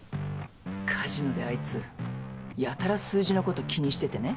カジノであいつやたら数字のこと気にしててね。